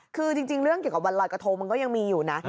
คือจริงเรื่องเกี่ยวกับวันรอยกระทงมันก็ยังมีอยู่นะ